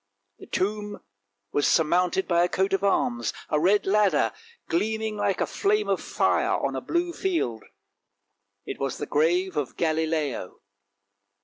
The tomb was surmounted by a coat of arms, a red ladder gleaming like a flame of fire on a blue field. It was the grave of Galileo.